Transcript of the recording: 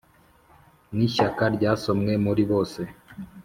n'ishyaka ryasomwe muri bose